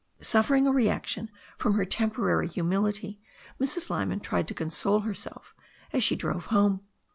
Suffering a reaction from her temporary humility, Mrs. Lyman tried to console herself as she drove home.